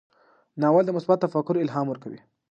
ناول د مثبت تفکر الهام ورکوي.